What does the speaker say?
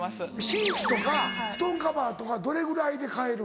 シーツとか布団カバーとかどれぐらいで替える？